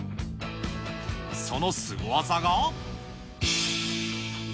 そのスゴ技が。